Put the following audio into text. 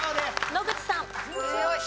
野口さん。